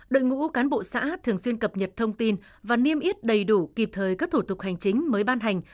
đội ngũ cán bộ xã thường xuyên cập nhật thông tin và niêm yết đầy đủ kịp thời các thủ tục hành chính mới ban hành